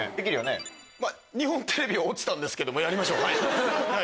日本テレビは落ちたんですけどもやりましょうはい。